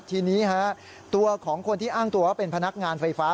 ทีนี้ตัวของคนที่อ้างตัวว่าเป็นพนักงานไฟฟ้า